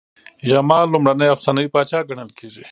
یما لومړنی افسانوي پاچا ګڼل کیږي